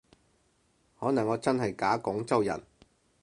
可能我真係假廣州人